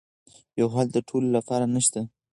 یو حل د ټولو لپاره نه شته.